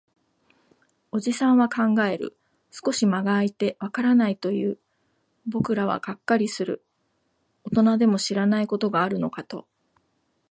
おじさんは考える。少し間が空いて、わからないと言う。僕らはがっかりする。大人でも知らないことがあるのかと。